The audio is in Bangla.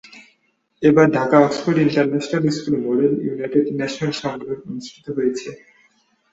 এবার ঢাকার অক্সফোর্ড ইন্টারন্যাশনাল স্কুলে মডেল ইউনাইটেড নেশন সম্মেলন অনুষ্ঠিত হয়েছে।